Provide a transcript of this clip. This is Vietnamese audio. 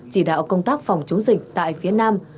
chỉ đạo công tác phòng chống dịch tại phía nam